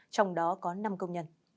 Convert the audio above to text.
trong đó có năm công nhân